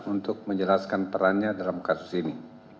untuk menjelaskan perannya dalam kasus ini